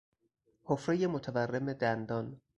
حفرهی متورم دندان